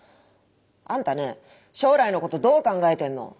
あんたね将来のことどう考えてんの。